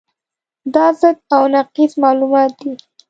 دا ضد او نقیض معلومات دي.